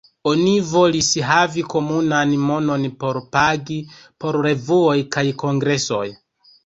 Oni volis havi komunan monon por pagi por revuoj kaj kongresoj.